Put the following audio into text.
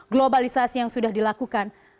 globalisasi yang sudah dilakukan